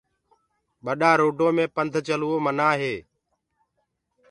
ٻڏآ روڊو مي پنڌ چلوو منآ هي۔